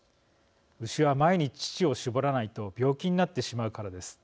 牛は毎日、乳を搾らないと病気になってしまうからです。